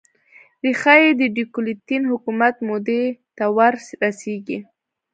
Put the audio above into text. ریښه یې د ډیوکلتین حکومت مودې ته ور رسېږي.